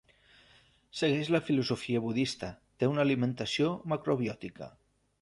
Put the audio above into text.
Segueix la filosofia budista, té una alimentació macrobiòtica.